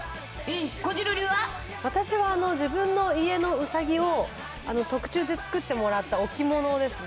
私は自分の家のウサギを、特注で作ってもらった置物ですね。